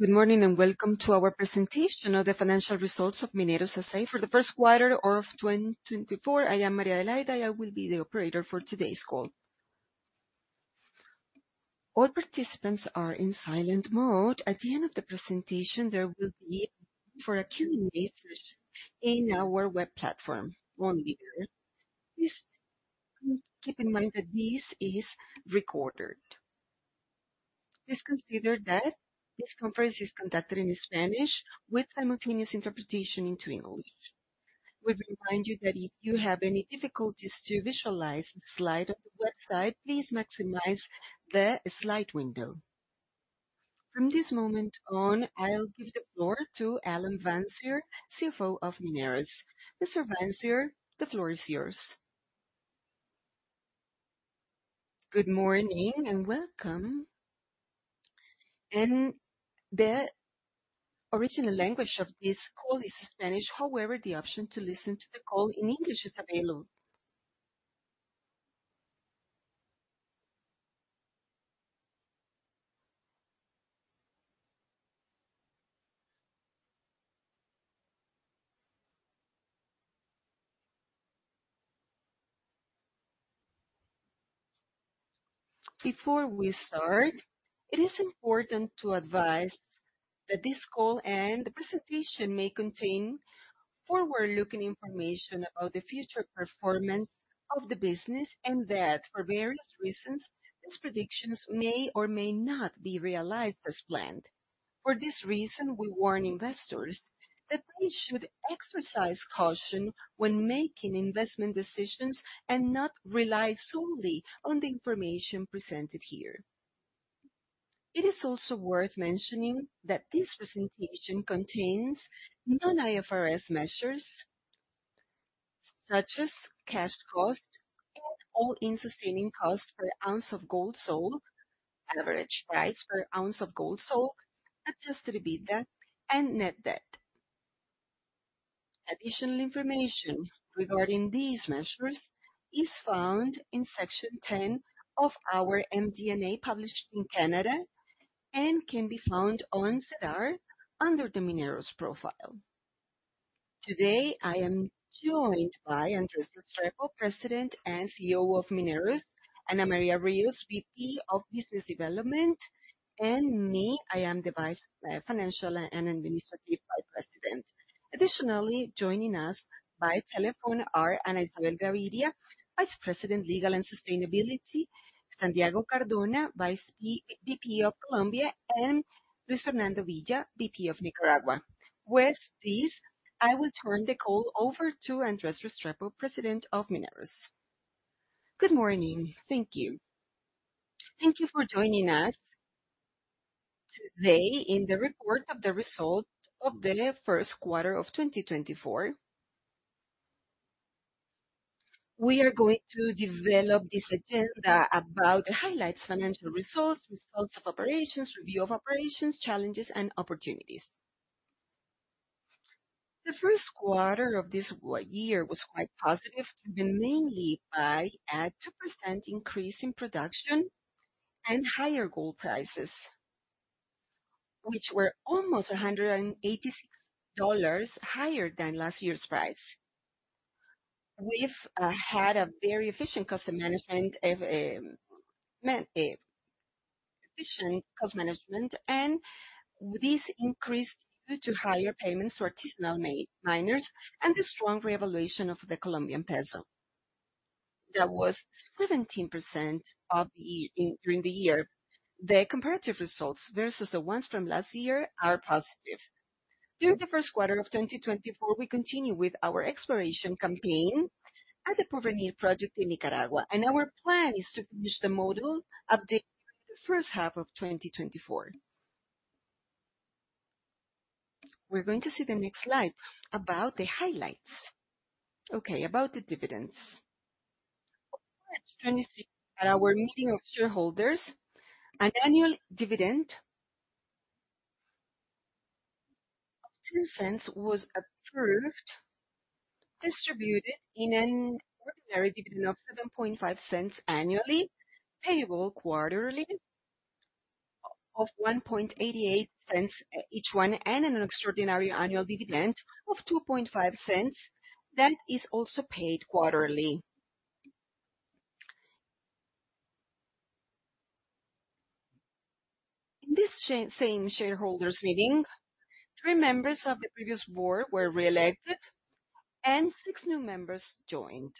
Good morning and welcome to our presentation of the financial results of Mineros S.A. For the first quarter of 2024, I am María Adelaida and I will be the operator for today's call. All participants are in silent mode. At the end of the presentation, there will be a call for questions in our web platform. Only there. Please keep in mind that this is recorded. Please consider that this conference is conducted in Spanish with simultaneous interpretation into English. We remind you that if you have any difficulties to visualize the slide on the website, please maximize the slide window. From this moment on, I'll give the floor to Alan Wancier, CFO of Mineros. Mr. Wancier, the floor is yours. Good morning and welcome. And the original language of this call is Spanish, however, the option to listen to the call in English is available. Before we start, it is important to advise that this call and the presentation may contain forward-looking information about the future performance of the business and that, for various reasons, these predictions may or may not be realized as planned. For this reason, we warn investors that they should exercise caution when making investment decisions and not rely solely on the information presented here. It is also worth mentioning that this presentation contains non-IFRS measures such as cash cost and all-in sustaining costs per ounce of gold sold, average price per ounce of gold sold, adjusted EBITDA, and net debt. Additional information regarding these measures is found in Section 10 of our MD&A published in Canada and can be found on CEDAR under the Mineros profile. Today, I am joined by Andrés Restrepo, President and CEO of Mineros, Ana María Ríos, VP of Business Development, and me, I am the Vice Financial and Administrative Vice President. Additionally, joining us by telephone are Ana Isabel Gaviria, Vice President Legal and Sustainability; Santiago Cardona, VP of Colombia; and Luis Fernando Villa, VP of Nicaragua. With these, I will turn the call over to Andrés Restrepo, President of Mineros. Good morning. Thank you. Thank you for joining us today in the report of the results of the first quarter of 2024. We are going to develop this agenda about the highlights: financial results, results of operations, review of operations, challenges, and opportunities. The first quarter of this year was quite positive, driven mainly by a 2% increase in production and higher gold prices, which were almost $186 higher than last year's price. We've had very efficient cost management, efficient cost management, and this increased due to higher payments to artisanal miners and the strong revaluation of the Colombian peso. That was 17% during the year. The comparative results versus the ones from last year are positive. During the first quarter of 2024, we continue with our exploration campaign at the Porvenir Project in Nicaragua, and our plan is to finish the module update during the first half of 2024. We're going to see the next slide about the highlights. Okay, about the dividends. On March 26, at our meeting of shareholders, an annual dividend of $0.10 was approved, distributed in an ordinary dividend of $0.075 annually, payable quarterly, of $0.0188 each one, and an extraordinary annual dividend of $0.025 that is also paid quarterly. In this same shareholders' meeting, 3 members of the previous board were reelected and 6 new members joined.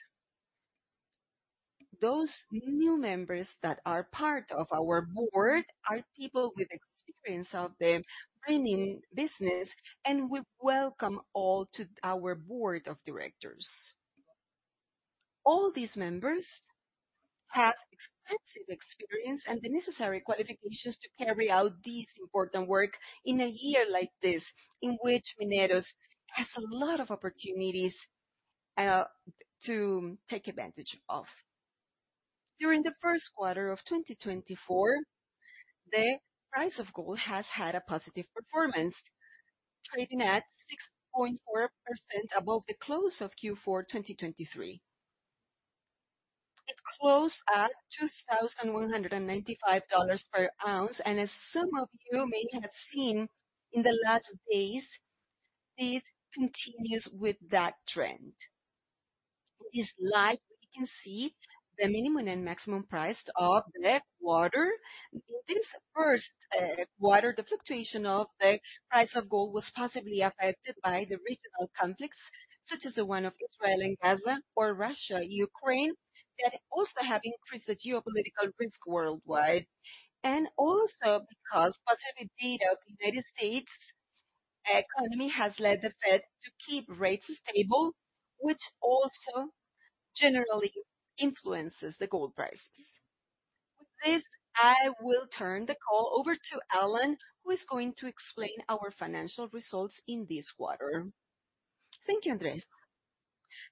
Those new members that are part of our board are people with experience of the mining business, and we welcome all to our board of directors. All these members have extensive experience and the necessary qualifications to carry out this important work in a year like this in which Mineros has a lot of opportunities to take advantage of. During the first quarter of 2024, the price of gold has had a positive performance, trading at 6.4% above the close of Q4 2023. It closed at $2,195 per ounce, and as some of you may have seen in the last days, this continues with that trend. In this slide, we can see the minimum and maximum price of the quarter. In this first quarter, the fluctuation of the price of gold was possibly affected by the regional conflicts such as the one of Israel and Gaza or Russia, Ukraine, that also have increased the geopolitical risk worldwide, and also because positive data of the United States economy has led the Fed to keep rates stable, which also generally influences the gold prices. With this, I will turn the call over to Alan, who is going to explain our financial results in this quarter. Thank you, Andrés.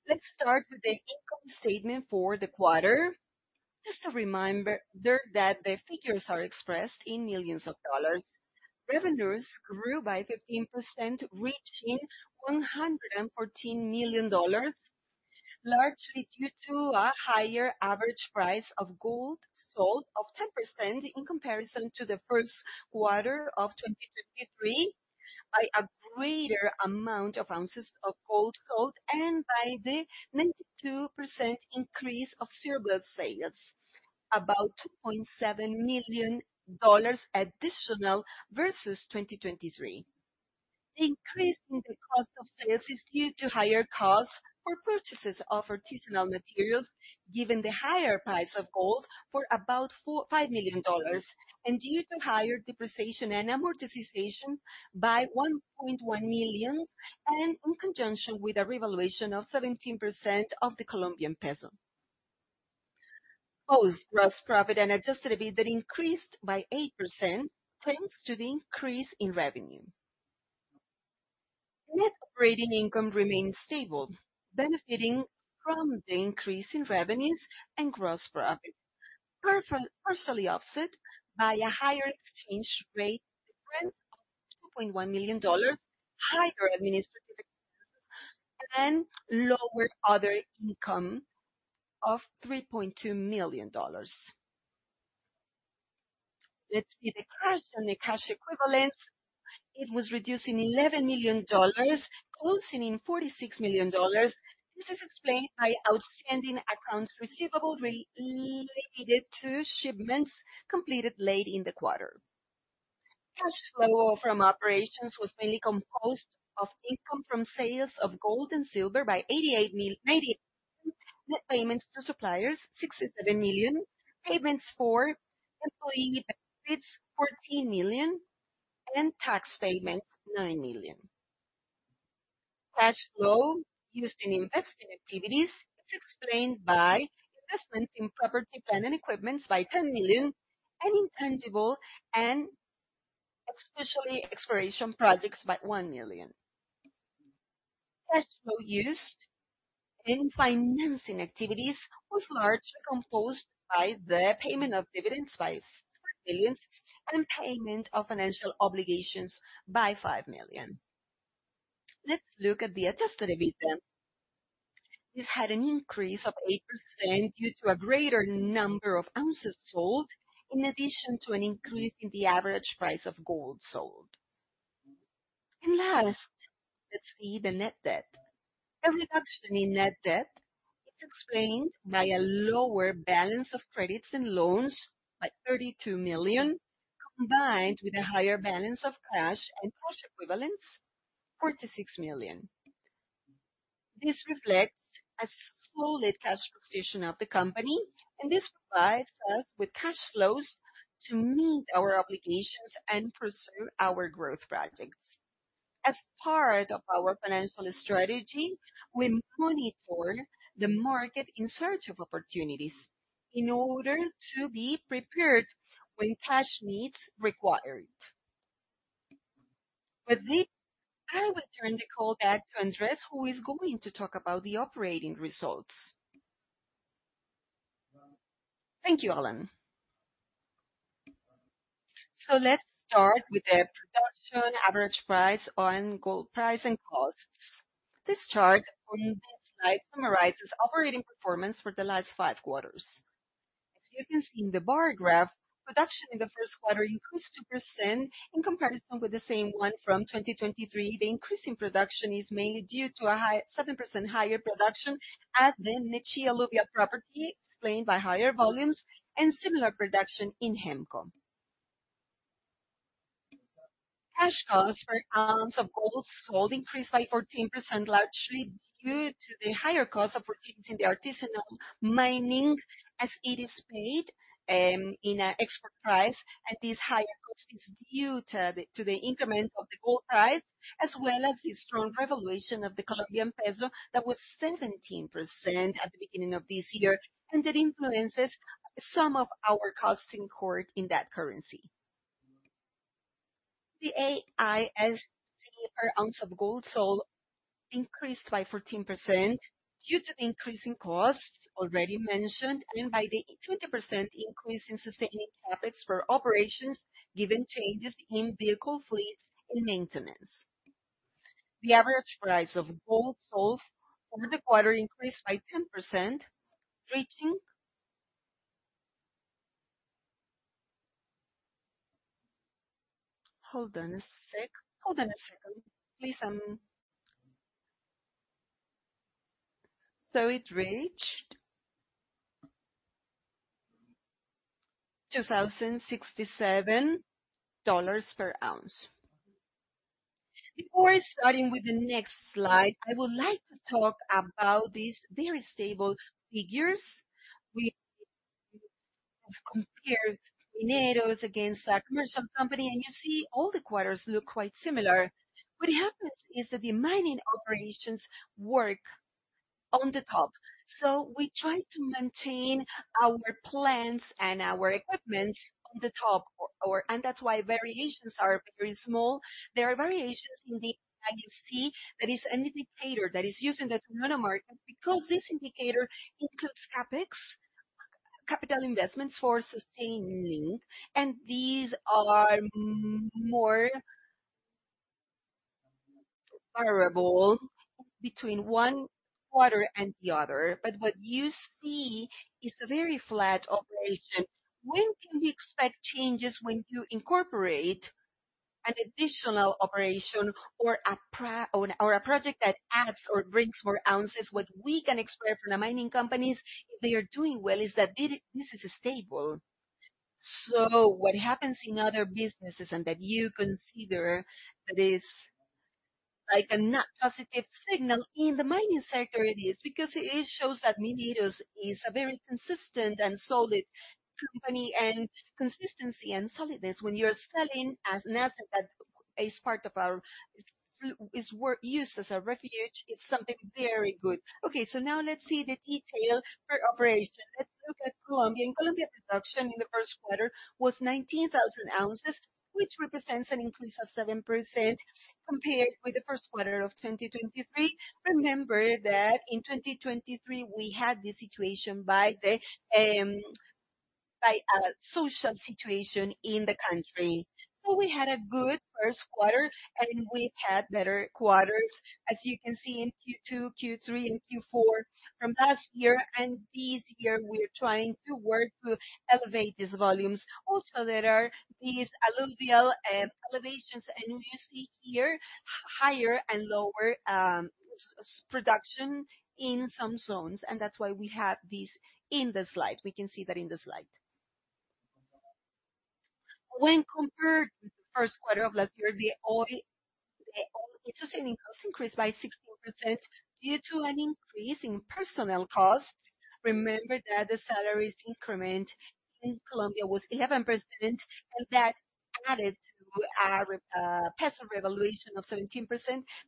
Let's start with the income statement for the quarter. Just a reminder that the figures are expressed in millions of dollars. Revenues grew by 15%, reaching $114 million, largely due to a higher average price of gold sold of 10% in comparison to the first quarter of 2023, by a greater amount of ounces of gold sold, and by the 92% increase of alluvial sales, about $2.7 million additional versus 2023. The increase in the cost of sales is due to higher costs for purchases of artisanal materials, given the higher price of gold for about $5 million, and due to higher depreciation and amortization by $1.1 million, and in conjunction with a revaluation of 17% of the Colombian peso. Both gross profit and Adjusted EBITDA increased by 8% thanks to the increase in revenue. Net operating income remained stable, benefiting from the increase in revenues and gross profit, partially offset by a higher exchange rate difference of $2.1 million, higher administrative expenses, and lower other income of $3.2 million. Let's see the cash and the cash equivalents. It was reduced in $11 million, closing in $46 million. This is explained by outstanding accounts receivable related to shipments completed late in the quarter. Cash flow from operations was mainly composed of income from sales of gold and silver by $88 million, net payments to suppliers $67 million, payments for employee benefits $14 million, and tax payments $9 million. Cash flow used in investing activities is explained by investments in property, land, and equipment by $10 million, and intangibles and especially exploration projects by $1 million. Cash flow used in financing activities was largely composed by the payment of dividends by $5 million and payment of financial obligations by $5 million. Let's look at the Adjusted EBITDA. This had an increase of 8% due to a greater number of ounces sold, in addition to an increase in the average price of gold sold. And last, let's see the net debt. A reduction in net debt is explained by a lower balance of credits and loans by $32 million, combined with a higher balance of cash and cash equivalents, $46 million. This reflects a solid cash flow position of the company, and this provides us with cash flows to meet our obligations and pursue our growth projects. As part of our financial strategy, we monitor the market in search of opportunities in order to be prepared when cash needs required. With this, I will turn the call back to Andrés, who is going to talk about the operating results. Thank you, Alan. So let's start with the production average price on gold price and costs. This chart on this slide summarizes operating performance for the last five quarters. As you can see in the bar graph, production in the first quarter increased 2% in comparison with the same one from 2023. The increase in production is mainly due to a 7% higher production at the Nechí Alluvial property, explained by higher volumes and similar production in HEMCO. Cash costs per ounce of gold sold increased by 14%, largely due to the higher cost of working in the artisanal mining as it is paid in an export price, and this higher cost is due to the increment of the gold price, as well as the strong revaluation of the Colombian peso that was 17% at the beginning of this year, and that influences some of our costs incurred in that currency. The AISC per ounce of gold sold increased by 14% due to the increase in costs already mentioned, and by the 20% increase in sustaining CapEx for operations given changes in vehicle fleets and maintenance. The average price of gold sold for the quarter increased by 10%, reaching hold on a sec. Hold on a second. Please, I'm so it reached $2,067 per ounce. Before starting with the next slide, I would like to talk about these very stable figures. We have compared Mineros against a commercial company, and you see all the quarters look quite similar. What happens is that the mining operations work on the top, so we try to maintain our plants and our equipments on the top, and that's why variations are very small. There are variations in the AISC that is an indicator that is using the Toronto market because this indicator includes CapEx, capital investments for sustaining, and these are more variable between one quarter and the othe. But what you see is a very flat operation. When can we expect changes when you incorporate an additional operation or a project that adds or brings more ounces? What we can expect from the mining companies, if they are doing well, is that this is stable. So what happens in other businesses and that you consider that is a not positive signal in the mining sector, it is because it shows that Mineros is a very consistent and solid company and consistency and solidness. When you're selling gold as an asset that is part of ours is used as a refuge, it's something very good. Okay, so now let's see the detail per operation. Let's look at Colombia. In Colombia, production in the first quarter was 19,000 ounces, which represents an increase of 7% compared with the first quarter of 2023. Remember that in 2023, we had this situation due to a social situation in the country. So we had a good first quarter, and we've had better quarters, as you can see, in Q2, Q3, and Q4 from last year, and this year, we're trying to work to elevate these volumes. Also, there are these alluvial elevations, and you see here higher and lower production in some zones, and that's why we have this in the slide. We can see that in the slide. When compared with the first quarter of last year, the all-in sustaining costs increased by 16% due to an increase in personnel costs. Remember that the salaries increment in Colombia was 11%, and that added to a peso revaluation of 17%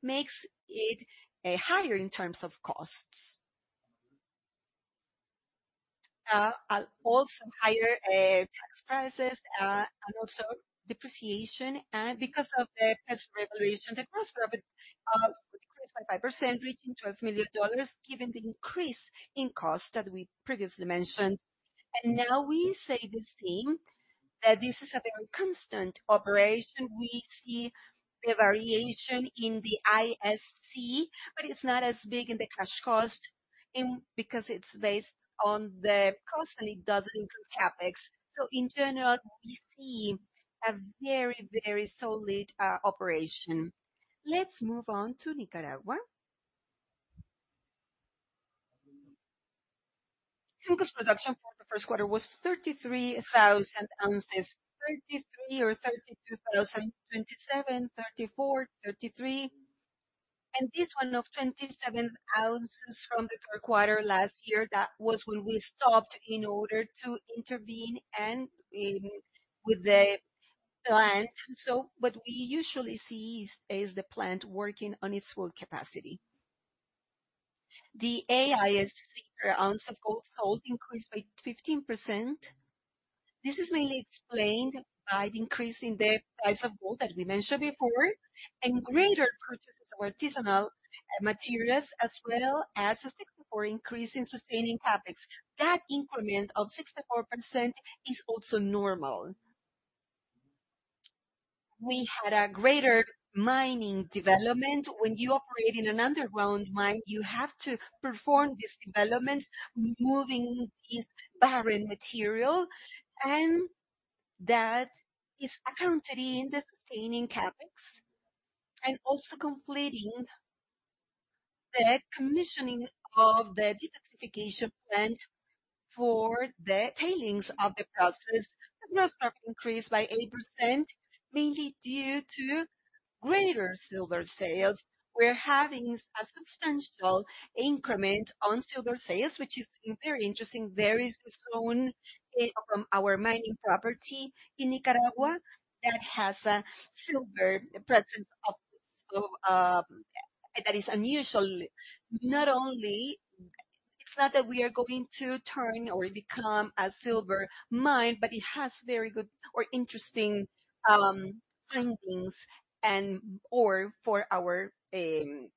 makes it higher in terms of costs, also higher tax prices, and also depreciation. And because of the peso revaluation, the gross profit decreased by 5%, reaching $12 million, given the increase in costs that we previously mentioned. And now we say the same, that this is a very constant operation. We see the variation in the AISC, but it's not as big in the cash cost because it's based on the cash cost. Cash cost doesn't include CapEx. So in general, we see a very, very solid operation. Let's move on to Nicaragua. Hemco's production for the first quarter was 33,000 ounces, 33 or 32,000, 27, 34, 33. And this one of 27 ounces from the third quarter last year, that was when we stopped in order to intervene with the plant. What we usually see is the plant working on its full capacity. The AISC per ounce of gold sold increased by 15%. This is mainly explained by the increase in the price of gold that we mentioned before and greater purchases of artisanal materials as well as a 64% increase in sustaining CapEx. That increment of 64% is also normal. We had a greater mining development. When you operate in an underground mine, you have to perform these developments, moving these barren materials, and that is accounted in the sustaining CapEx and also completing the commissioning of the detoxification plant for the tailings of the process. The gross profit increased by 8%, mainly due to greater silver sales. We're having a substantial increment on silver sales, which is very interesting. There is a zone from our mining property in Nicaragua that has a silver presence that is unusual. It's not that we are going to turn or become a silver mine, but it has very good or interesting findings for our operation.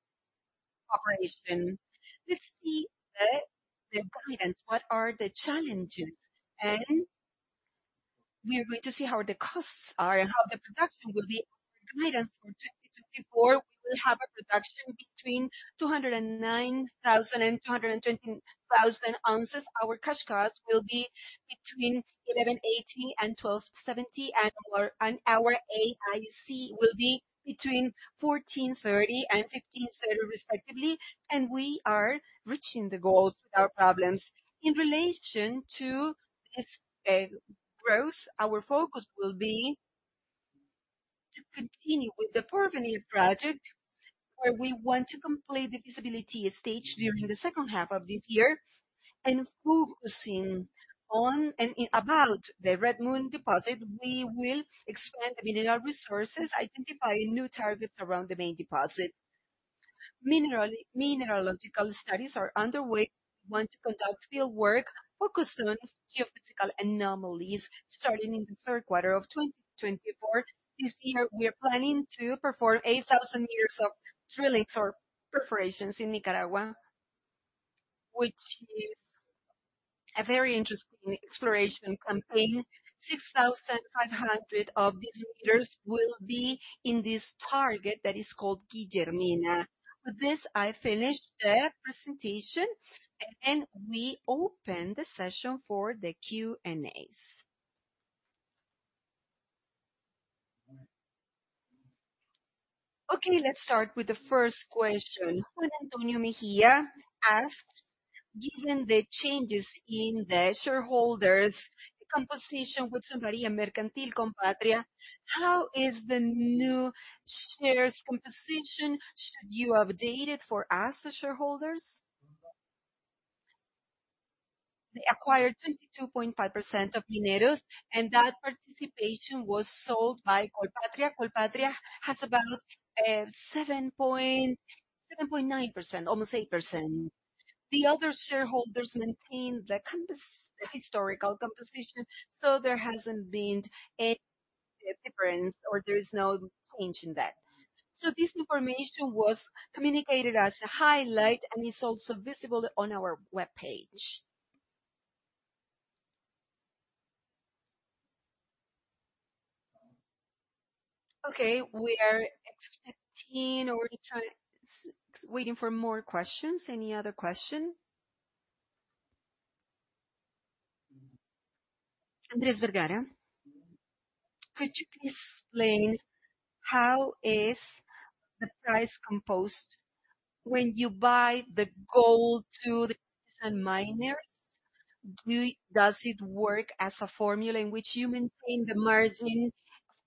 Let's see the guidance. What are the challenges? And we're going to see how the costs are and how the production will be. For guidance for 2024, we will have a production between 209,000-220,000 ounces. Our cash costs will be between $1,180-$1,270, and our AISC will be between $1,430-$1,530, respectively. And we are reaching the goals without problems. In relation to this growth, our focus will be to continue with the Porvenir project, where we want to complete the feasibility stage during the second half of this year. And focusing on and about the Red Moon deposit, we will expand the mineral resources, identifying new targets around the main deposit. Mineralogical studies are underway. We want to conduct fieldwork focused on geophysical anomalies starting in the third quarter of 2024. This year, we are planning to perform 8,000 meters of drillings or perforations in Nicaragua, which is a very interesting exploration campaign. 6,500 of these meters will be in this target that is called Guillermina. With this, I finish the presentation, and then we open the session for the Q&As. Okay, let's start with the first question. Juan Antonio Mejía asks, given the changes in the shareholders' composition with Sun Valley Mercantil Colpatria, how is the new shares composition? Should you update it for us as shareholders? They acquired 22.5% of Mineros, and that participation was sold by Colpatria. Colpatria has about 7.9%, almost 8%. The other shareholders maintained the historical composition, so there hasn't been any difference or there is no change in that. So this information was communicated as a highlight, and it's also visible on our web page. Okay, we are expecting or waiting for more questions. Any other question? Andrés Vergara, could you please explain how is the price composed? When you buy the gold to the artisanal miners, does it work as a formula in which you maintain the margin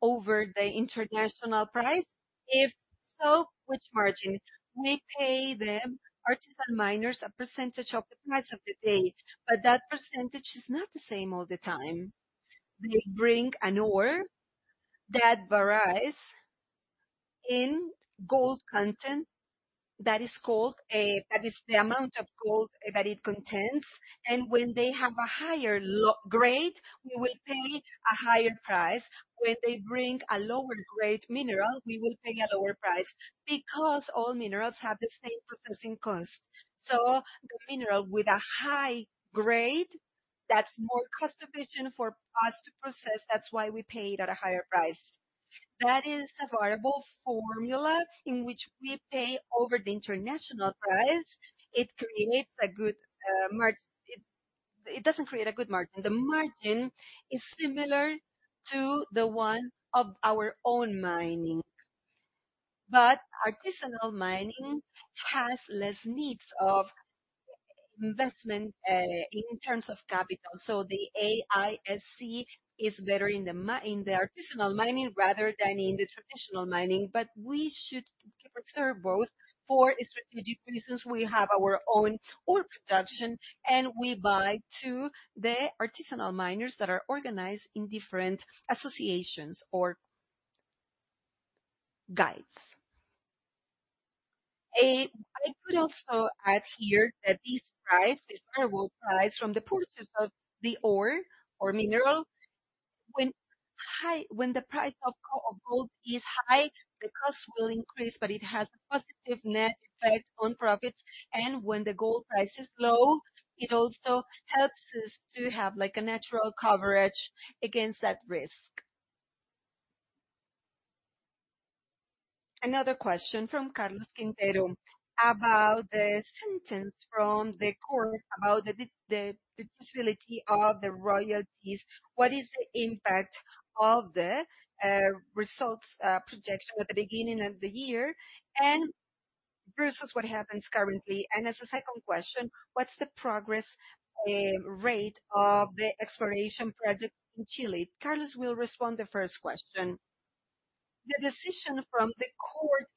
over the international price? If so, which margin? We pay them, artisanal miners, a percentage of the price of the day, but that percentage is not the same all the time. They bring an ore that varies in gold content, that is the amount of gold that it contains. And when they have a higher grade, we will pay a higher price. When they bring a lower-grade mineral, we will pay a lower price because all minerals have the same processing cost. So the mineral with a high grade, that's more cost efficient for us to process. That's why we pay it at a higher price. That is a variable formula in which we pay over the international price. It creates a good. It doesn't create a good margin. The margin is similar to the one of our own mining, but artisanal mining has less needs of investment in terms of capital. So the AISC is better in the artisanal mining rather than in the traditional mining, but we should preserve both for strategic reasons. We have our own ore production, and we buy to the artisanal miners that are organized in different associations or guides. I could also add here that this price, this variable price from the purchase of the ore or mineral, when the price of gold is high, the cost will increase, but it has a positive net effect on profits. And when the gold price is low, it also helps us to have a natural coverage against that risk. Another question from Carlos Quintero about the sentence from the court about the feasibility of the royalties. What is the impact of the results projection at the beginning of the year versus what happens currently? And as a second question, what's the progress rate of the exploration project in Chile? Carlos will respond to the first question. The decision from the court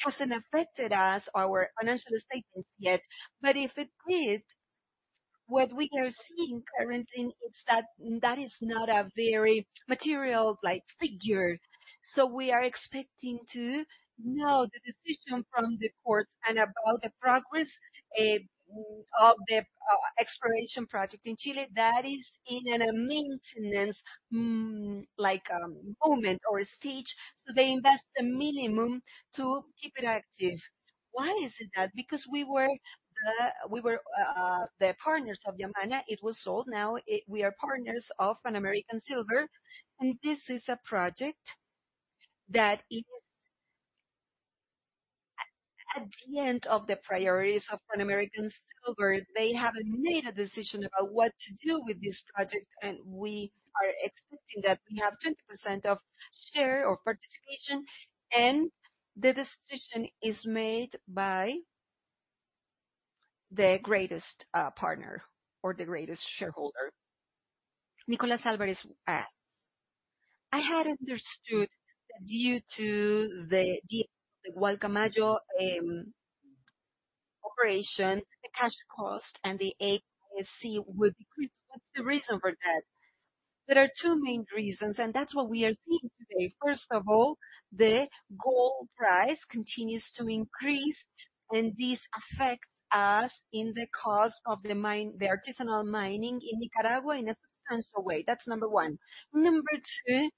hasn't affected our financial statements yet, but if it did, what we are seeing currently is that that is not a very material figure. So we are expecting to know the decision from the courts and about the progress of the exploration project in Chile. That is in a maintenance moment or a stage, so they invest the minimum to keep it active. Why is it that? Because we were the partners of Yamana. It was sold. Now we are partners of Pan American Silver, and this is a project that is at the end of the priorities of Pan American Silver. They haven't made a decision about what to do with this project, and we are expecting that we have 20% of share or participation, and the decision is made by the greatest partner or the greatest shareholder. Nicolás Álvarez asks, "I had understood that due to the Gualcamayo operation, the cash cost and the AISC would decrease. What's the reason for that?" There are two main reasons, and that's what we are seeing today. First of all, the gold price continues to increase, and this affects us in the cost of the artisanal mining in Nicaragua in a substantial way. That's number one. Number two,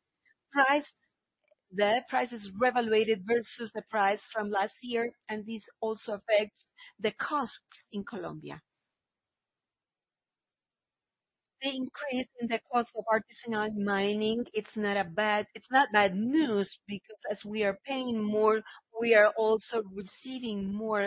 the price is revaluated versus the price from last year, and this also affects the costs in Colombia. The increase in the cost of artisanal mining, it's not bad news because as we are paying more, we are also receiving more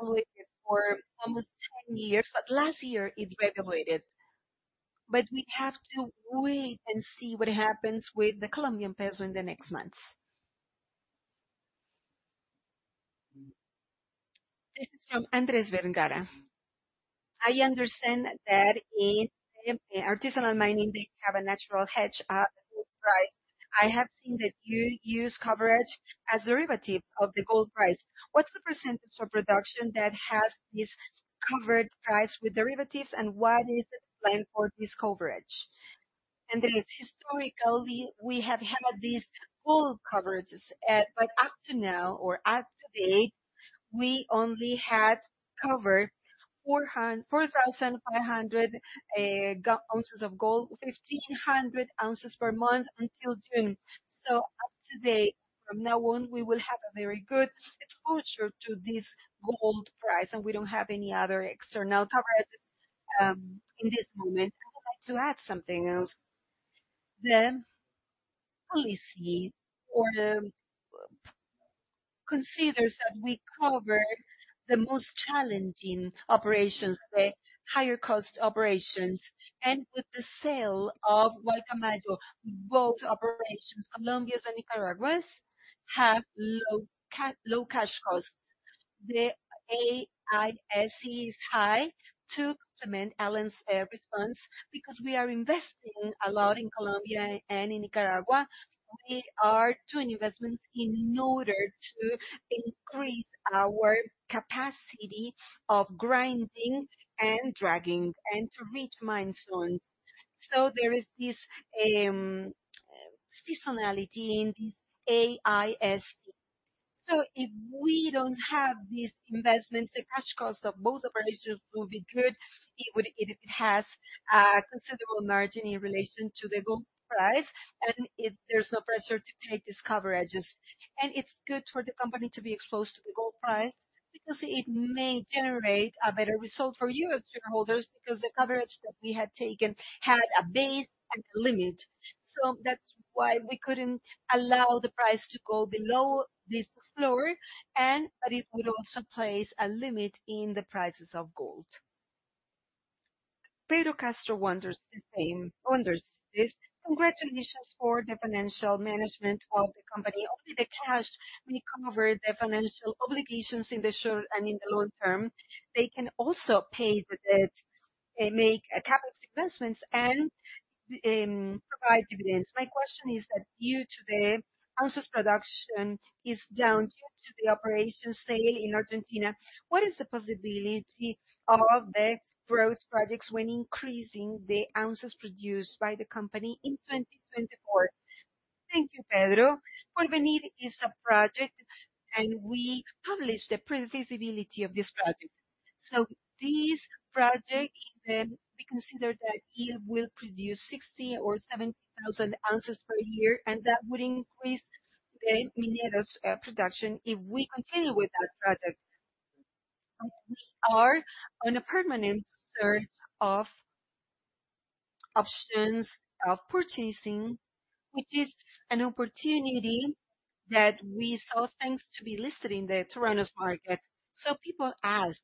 when we sell it. And in relation to the Colombian peso revaluation, it has been devaluated for almost 10 years, but last year, it revaluated. But we have to wait and see what happens with the Colombian peso in the next months. This is from Andrés Vergara. I understand that in artisanal mining, they have a natural hedge at the gold price. I have seen that you use coverage as derivatives of the gold price. What's the percentage of production that has this covered price with derivatives, and what is the plan for this coverage?" Andrés, historically, we have had these gold coverages, but up to now or up to date, we only had covered 4,500 ounces of gold, 1,500 ounces per month until June. So up to date, from now on, we will have a very good exposure to this gold price, and we don't have any other external coverages in this moment. I would like to add something else. The policy considers that we cover the most challenging operations, the higher-cost operations, and with the sale of Gualcamayo, both operations, Colombia's and Nicaragua's, have low cash costs. The AISC is high to complement Alan's response because we are investing a lot in Colombia and in Nicaragua. We are doing investments in order to increase our capacity of grinding and dredging and to reach mine zones. So there is this seasonality in this AISC. So if we don't have these investments, the cash cost of both operations will be good if it has a considerable margin in relation to the gold price, and if there's no pressure to take this coverage. And it's good for the company to be exposed to the gold price because it may generate a better result for you as shareholders because the coverage that we had taken had a base and a limit. So that's why we couldn't allow the price to go below this floor, but it would also place a limit in the prices of gold. Pedro Castro wonders this. Congratulations for the financial management of the company. Only the cash may cover the financial obligations in the short and in the long term. They can also pay the debt, make CapEx investments, and provide dividends. My question is that due to the ounces production is down due to the operation sale in Argentina, what is the possibility of the growth projects when increasing the ounces produced by the company in 2024?" Thank you, Pedro. Porvenir is a project, and we published the feasibility of this project. So this project, we consider that it will produce 60,000 or 70,000 ounces per year, and that would increase the Mineros production if we continue with that project. We are on a permanent search of options of purchasing, which is an opportunity that we saw thanks to be listed in the Toronto's market. So people ask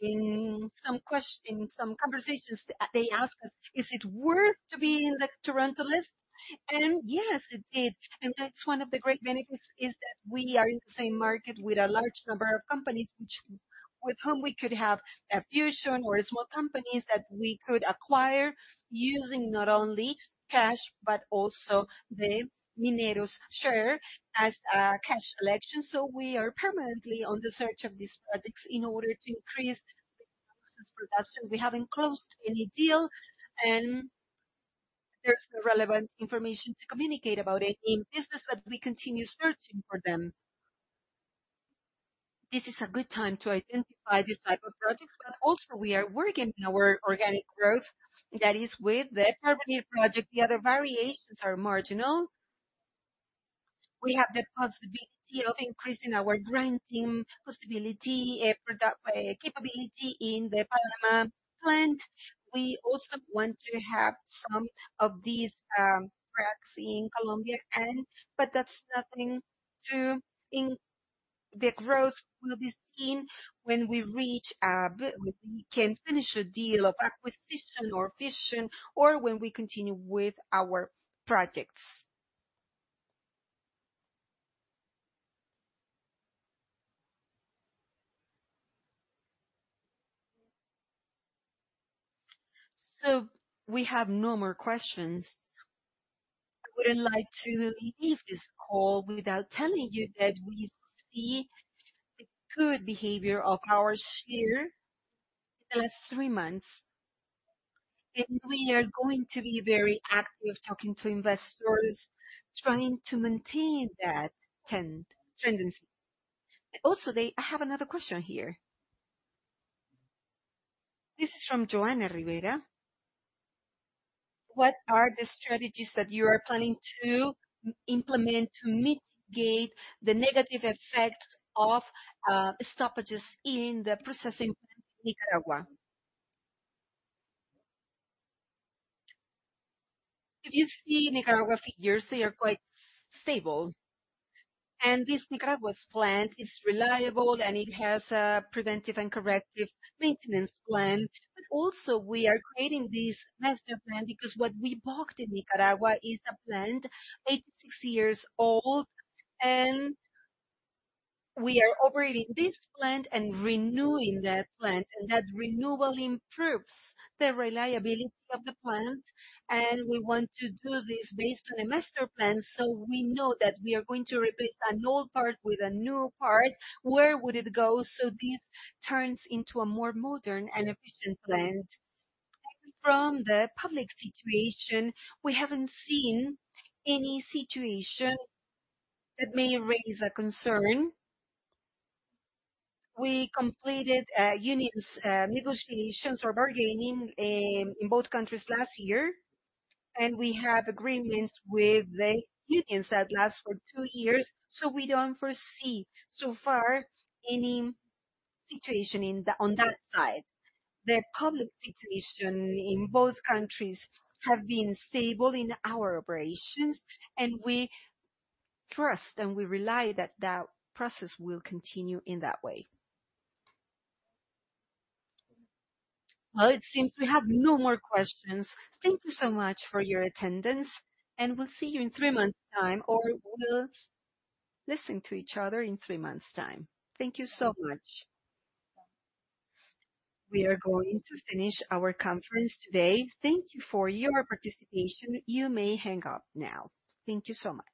in some conversations; they ask us, "Is it worth to be in the Toronto list?" And yes, it did. And that's one of the great benefits is that we are in the same market with a large number of companies with whom we could have a fusion or small companies that we could acquire using not only cash but also the Mineros share as cash collection. So we are permanently on the search of these projects in order to increase the ounces production. We haven't closed any deal, and there's no relevant information to communicate about it in business, but we continue searching for them. This is a good time to identify this type of projects, but also we are working on our organic growth that is with the Porvenir project. The other variations are marginal. We have the possibility of increasing our grinding capability in the Bonanza plant. We also want to have some of these trucks in Colombia, but that's nothing to the growth will be seen when we reach when we can finish a deal of acquisition or fusion or when we continue with our projects. So we have no more questions. I wouldn't like to leave this call without telling you that we see the good behavior of our share in the last three months, and we are going to be very active talking to investors, trying to maintain that tendency. Also, I have another question here. This is from Joanna Rivera. "What are the strategies that you are planning to implement to mitigate the negative effects of stoppages in the processing plant in Nicaragua?" If you see Nicaragua figures, they are quite stable. This Nicaragua's plant is reliable, and it has a preventive and corrective maintenance plan. But also, we are creating this master plan because what we bought in Nicaragua is a plant, 86 years old, and we are operating this plant and renewing that plant, and that renewal improves the reliability of the plant. And we want to do this based on a master plan so we know that we are going to replace an old part with a new part. Where would it go so this turns into a more modern and efficient plant? And from the public situation, we haven't seen any situation that may raise a concern. We completed unions' negotiations or bargaining in both countries last year, and we have agreements with the unions that last for two years. So we don't foresee so far any situation on that side. The public situation in both countries has been stable in our operations, and we trust and we rely that that process will continue in that way. Well, it seems we have no more questions. Thank you so much for your attendance, and we'll see you in three months' time or we'll listen to each other in three months' time. Thank you so much. We are going to finish our conference today. Thank you for your participation. You may hang up now. Thank you so much.